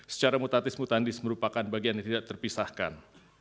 secara mutatis mutandis merupakan bagian yang tidak terpisahkan